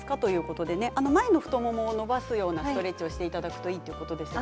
と前の太ももを伸ばすようなストレッチをするといいということです。